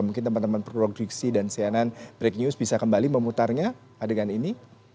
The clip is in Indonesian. mungkin teman teman progriksi dan cnn breaking news bisa kembali memutarnya adegan ini